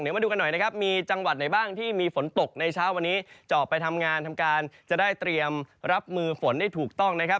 มาดูกันหน่อยนะครับมีจังหวัดไหนบ้างที่มีฝนตกในเช้าวันนี้เจาะไปทำงานทำการจะได้เตรียมรับมือฝนได้ถูกต้องนะครับ